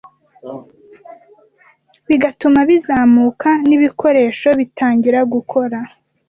bigatuma bizamuka nIbikoresho bitangira gukora